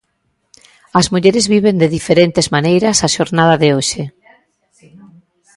As mulleres viven de diferentes maneiras a xornada de hoxe.